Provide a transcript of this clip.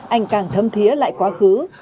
anh càng thâm thía lại quá khứ